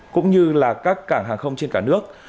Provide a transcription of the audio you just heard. cũng như là các cảng hàng không trên cả nước